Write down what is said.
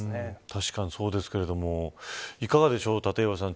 確かにそうですけれどもいかがでしょう、立岩さん。